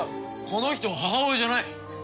この人は母親じゃない。